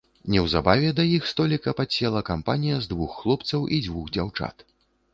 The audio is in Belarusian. Неўзабаве да іх століка падсела кампанія з двух хлопцаў і дзвюх дзяўчат.